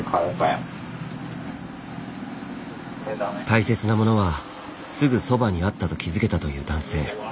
「大切なものはすぐそばにあった」と気付けたという男性。